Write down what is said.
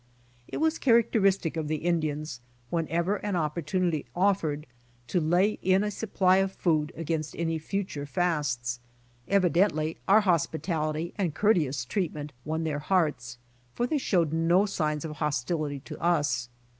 It was characteristic of the Indians, whenever an opportunity offered, to lay in a supply of food against any future fasts. Evidently our hospitality and courteous treatment won their hearts, for they showed no signs of hostility to us.